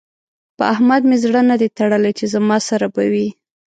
په احمد مې زړه نه دی تړلی چې زما سره به وي.